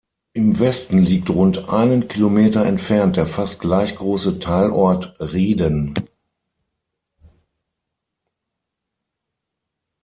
Im Westen liegt rund einen Kilometer entfernt der fast gleich große Teilort Rieden.